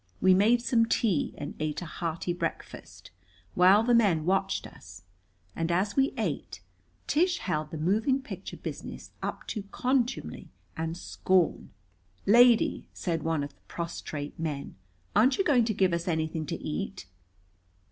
We made some tea and ate a hearty breakfast, while the men watched us. And as we ate, Tish held the moving picture business up to contumely and scorn. "Lady," said one of the prostrate men, "aren't you going to give us anything to eat?"